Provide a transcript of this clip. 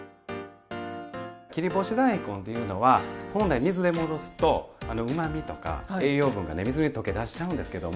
切り干し大根っていうのは本来水で戻すとうまみとか栄養分がね水に溶け出しちゃうんですけども。